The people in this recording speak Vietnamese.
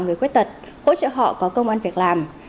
người khuyết tật hỗ trợ họ có công an việc làm